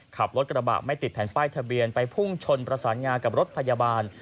ขับรถกระบะไม่ติดแผ่นป้ายทะเบียนไปพุ่งชนประสานงากับรถพยาบาล